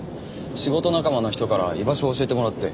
仕事仲間の人から居場所を教えてもらって。